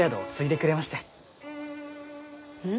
うん？